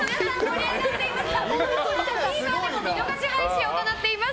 「ぽかぽか」はＴＶｅｒでも見逃し配信を行っています。